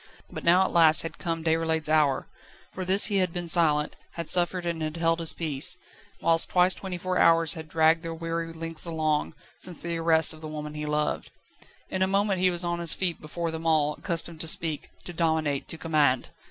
But now at last had come Déroulède's hour. For this he had been silent, had suffered and had held his peace, whilst twice twenty four hours had dragged their weary lengths along, since the arrest of the woman he loved. In a moment he was on his feet before them all, accustomed to speak, to dominate, to command.